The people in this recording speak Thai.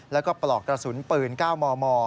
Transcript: แล้วก็ปลอกกระสุนปืน๙มม